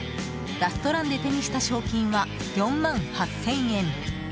ラストランで手にした賞金は４万８０００円。